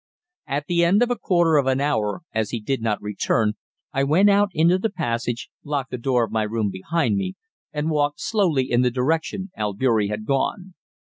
At the end of a quarter of an hour, as he did not return, I went out into the passage, locked the door of my room behind me, and walked slowly in the direction Albeury had gone.